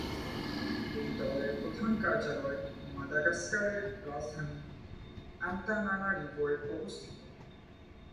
এই দলের প্রধান কার্যালয় মাদাগাস্কারের রাজধানী আন্তানানারিভোয় অবস্থিত।